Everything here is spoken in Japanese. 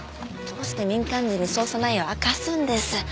どうして民間人に捜査内容を明かすんです？